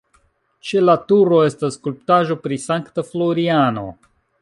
Ĉe la turo estas skulptaĵo pri Sankta Floriano.